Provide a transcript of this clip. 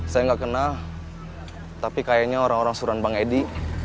saya nggak kenal tapi kayaknya orang orang suruhan bang edi